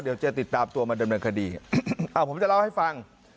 เดี๋ยวจะติดตามตัวมาดังข้าดีผมจะเล่าให้ฟัง